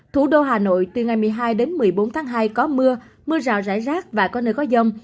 thủ đô hà nội từ ngày một mươi hai đến một mươi bốn tháng hai có mưa mưa rào rải rác và có nơi có dông